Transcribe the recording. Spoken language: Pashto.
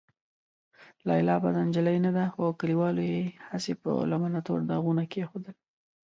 لیلا بده نجلۍ نه ده، خو کليوالو یې هسې په لمنه تور داغونه کېښودل.